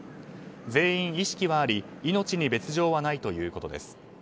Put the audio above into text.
全員意識はあり命に別条はないということです。